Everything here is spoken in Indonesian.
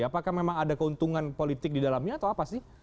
apakah memang ada keuntungan politik di dalamnya atau apa sih